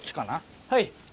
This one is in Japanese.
はい。